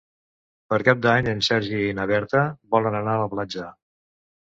Per Cap d'Any en Sergi i na Berta volen anar a la platja.